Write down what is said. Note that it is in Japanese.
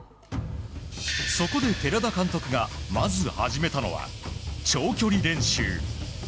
そこで寺田監督がまず始めたのは長距離練習。